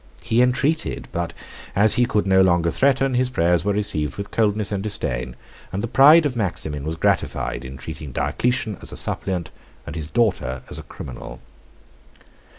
83 He entreated; but as he could no longer threaten, his prayers were received with coldness and disdain; and the pride of Maximin was gratified, in treating Diocletian as a suppliant, and his daughter as a criminal.